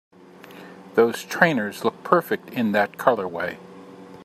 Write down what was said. Those trainers look perfect in that colorway!